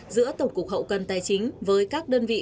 giữa tổng cục hậu cần tài chính với các đơn vị